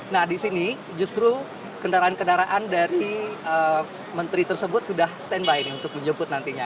nah di sini justru kendaraan kendaraan dari menteri tersebut sudah standby untuk menjemput nantinya